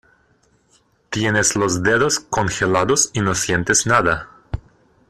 tienes los dedos congelados y no sientes nada.